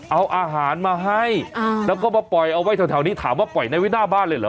เอาอาหารมาให้แล้วก็มาปล่อยเอาไว้แถวนี้ถามว่าปล่อยในไว้หน้าบ้านเลยเหรอ